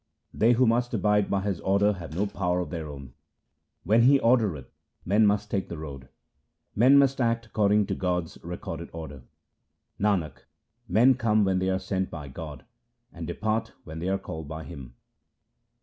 They who must abide by His order have no power of their own ; When He ordereth, men must take the road. Men must act according to God's recorded order ; Nanak, men come when they are sent by God, and depart when they are called by Him.